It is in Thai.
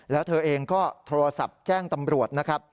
และเธอเองก็โทรศัพท์แจ้งตำรวจ